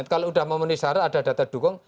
kalau sudah memenuhi syarat ada data dukung